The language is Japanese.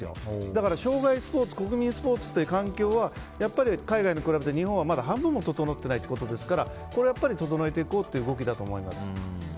だから生涯スポーツ国民スポーツという環境は、海外に比べて日本はまだ半分も整ってないので整えていこうという動きだと思います。